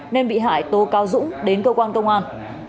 nên bị hại tố cáo dũng đến cơ quan công an